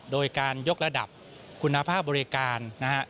โดยการยกระดับคุณภาพบริการนะฮะ